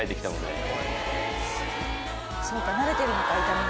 そうか慣れてるのか痛みに。